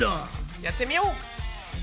やってみよう！